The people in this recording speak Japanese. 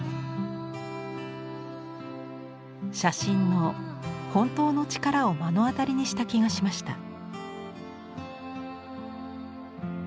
写真の「本当のチカラ」を目の当たりにした気がしました。